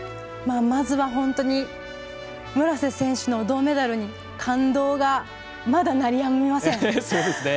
まずは本当に村瀬選手の銅メダルに感動がまだ、鳴りやみません。